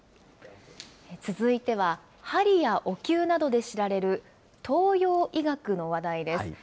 続いてははりやおきゅうなどで知られる東洋医学の話題です。